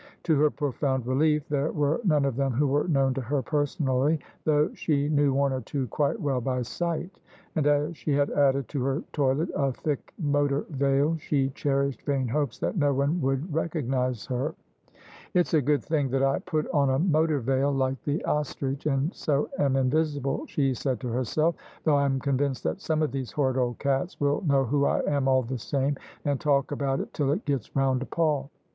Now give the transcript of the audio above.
To her profound relief there were none of them who were known to her personally, though she knew one or two quite well by sight ; and as she had added to her toilet a thick motor veil she cherished vain hopes that no one would recognise her. " It's a good thing that I put on a motor veil like the ostrich, and so am invisible," she said to herself: "though Fm convinced that some of these horrid old cats will know who I am all the same, and talk about it till it gets round to Paul.